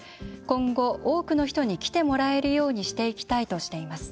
今後多くの人に来てもらえるようにしていきたいとしています。